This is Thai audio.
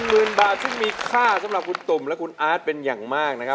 หมื่นบาทซึ่งมีค่าสำหรับคุณตุ่มและคุณอาร์ตเป็นอย่างมากนะครับ